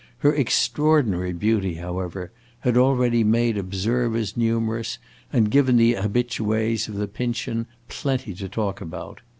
Her extraordinary beauty, however, had already made observers numerous and given the habitues of the Pincian plenty to talk about.